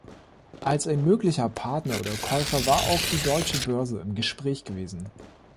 Als ein möglicher Partner oder Käufer war auch die Deutsche Börse im Gespräch gewesen.